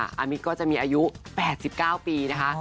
อามิตก็จะมีอายุ๘๙ปีนะคะ